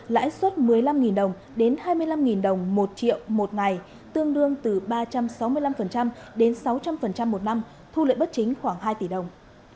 lãi suất một mươi năm đồng đến hai mươi năm đồng một triệu một ngày tương đương từ ba trăm sáu mươi năm đến sáu trăm linh một năm thu lợi bất chính khoảng hai tỷ đồng